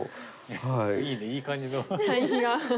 いいねいい感じの。